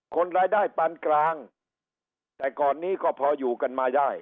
คนรายได้ปานกลางแต่ก่อนนี้ก็พออยู่กันมาได้